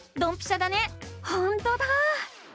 ほんとだ。